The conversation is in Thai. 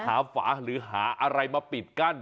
ฝาหรือหาอะไรมาปิดกั้น